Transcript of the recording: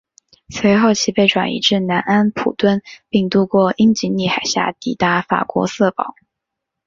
随后其被转移至南安普敦并渡过英吉利海峡抵达法国瑟堡。